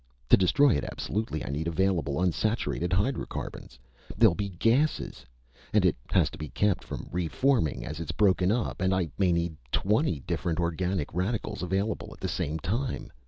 To destroy it absolutely I need available unsaturated hydrocarbons they'll be gases! And it has to be kept from reforming as it's broken up, and I may need twenty different organic radicals available at the same time!